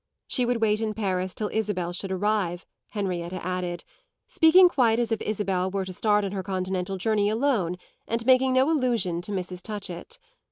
She would wait in Paris till Isabel should arrive, Henrietta added; speaking quite as if Isabel were to start on her continental journey alone and making no allusion to Mrs. Touchett.